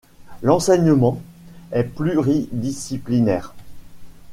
L'enseignement est pluridisciplinaire.